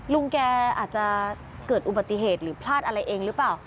ลุงแกอาจจะเกิดอุบัติเหตุหรือพลาดอะไรเองหรือเปล่า